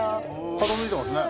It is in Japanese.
片付いてますね。